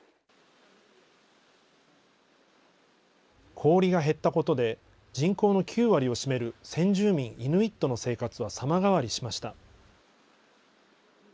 氷が減ったことで、人口の９割を占める先住民イヌイットの生活は様変わりしました。